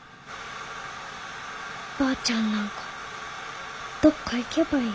ばあちゃんなんかどっか行けばいい。